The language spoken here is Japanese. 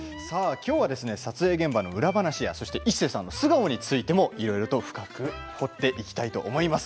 きょうは撮影現場の裏話や一生さんの素顔についてもいろいろ深く掘っていきたいと思います。